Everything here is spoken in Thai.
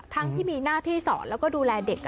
ทั้งที่มีหน้าที่สอนแล้วก็ดูแลเด็ก